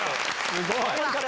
すごい！